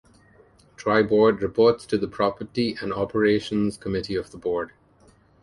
Tri-Board reports to the Property and Operations Committee of the board.